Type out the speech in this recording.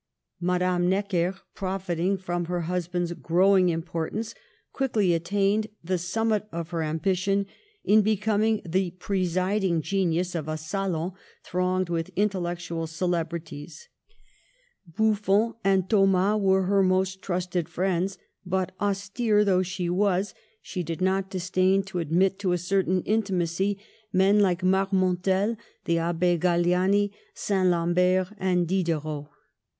Madame Necker, profiting by her husband's growing importance, quickly attained the sum mit of her ambition in becoming the presiding genius of a salon thronged with intellectual celeb rities. Buffon and Thomas were her most trust ed friends, but, austere though she was, she did (9) Digitized by VjOOQIC IO MADAME DE STA£L. not disdain to admit to a certain intimacy men like Marmontel, the Abb6 Galiani, St. Lambert, and Diderot.